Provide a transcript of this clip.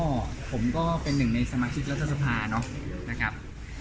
ก็ผมก็เป็นหนึ่งในสมาชิกรัฐสภาเนาะนะครับ